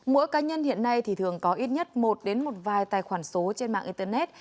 mỗi cá nhân hiện nay thường có ít nhất một một vài tài khoản số trên mạng internet